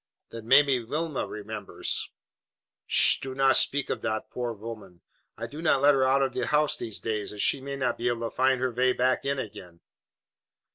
"Then maybe Wilhelmina remembers." "Sh! do not speak uf dot poor voman. I do not let her go out uf der house dese days, as she may not be able to find der vay back in again."